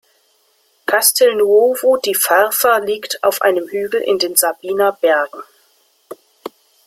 Castelnuovo di Farfa liegt auf einem Hügel in den Sabiner Bergen.